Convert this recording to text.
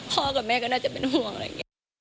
กับแม่ก็น่าจะเป็นห่วงอะไรอย่างนี้